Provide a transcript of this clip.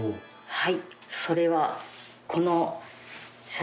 はい。